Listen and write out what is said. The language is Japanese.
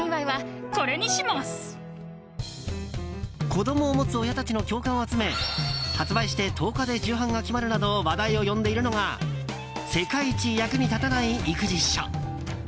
子供を持つ親たちの共感を集め発売して１０日で重版が決まるなど話題を呼んでいるのが「世界一役に立たない育児書」。